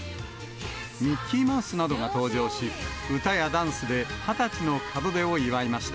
ミッキーマウスなどが登場し、歌やダンスで２０歳の門出を祝いました。